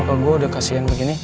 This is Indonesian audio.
maka gue udah kasian begini